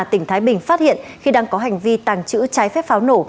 tỉnh thái bình phát hiện khi đang có hành vi tàng trữ trái phép pháo nổ